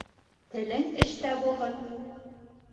Телең эштә булһын.